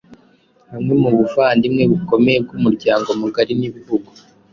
hamwe mu buvandimwe bukomeye bw’ umuryango mugari n’ibihugu,